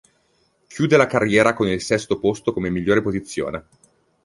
Chiude la carriera con il sesto posto come migliore posizione.